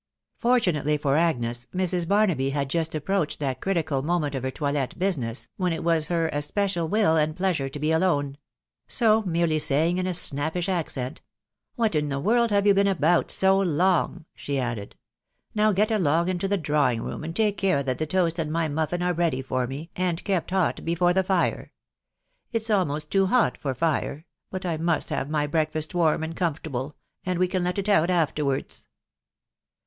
Fortunately for Agnes, Mrs. Barnaby had just approached that critical mo ment of her toilet business, when it was her especial will and pleasure to be alone ; so, merely saying in a snappish accent, " What in the world have you been about so long ?" she added, " Now get along into the drawing room, and take care that the toast and my muffin are ready for me, and kept hot before the fire; — it's almost too hot for fire, but I must have my breakfast warm and comfortable, and we can let it out afterwards.'